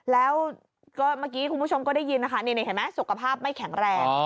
แล้วก็เมื่อกี้คุณผู้ชมก็ได้ยินนะคะนี่เห็นไหมสุขภาพไม่แข็งแรง